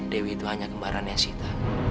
dewi itu hanya kembarannya sita